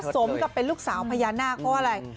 สมกับเป็นลูกสาวพญานาคเพราะอะไร